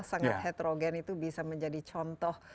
sangat heterogen itu bisa menjadi contoh